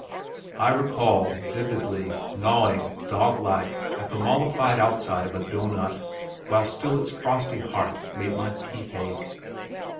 I recall, vividly, gnawing, dog like, at the mollified outside of a doughnut while still its frosty heart made my teeth ache.